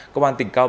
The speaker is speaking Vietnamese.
công an tỉnh cao bình